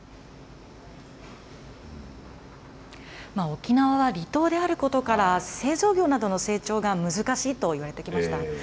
沖縄は離島であることから、製造業などの成長が難しいといわれてきました。